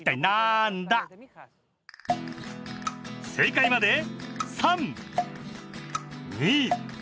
正解まで３２。